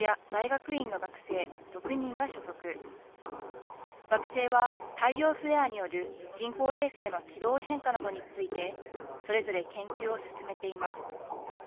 学生は太陽フレアによる人工衛星の軌道変化などについてそれぞれ研究を進めています。